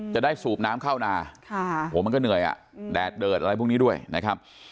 สูบน้ำเข้านาโหมันก็เหนื่อยอ่ะแดดเดิดอะไรพวกนี้ด้วยนะครับ